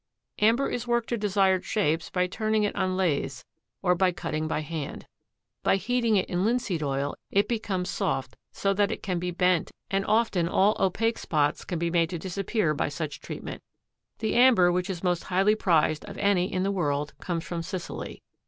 Amber is worked to desired shapes by turning it on lathes or by cutting by hand. By heating it in linseed oil it becomes soft so that it can be bent and often all opaque spots can be made to disappear by such treatment. The amber which is most highly prized of any in the world comes from Sicily.